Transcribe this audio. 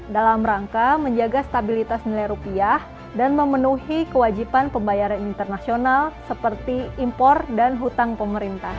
dalam rangka menjaga stabilitas nilai rupiah dan memenuhi kewajiban pembayaran internasional seperti impor dan hutang pemerintah